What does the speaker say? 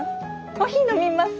コーヒー飲みます？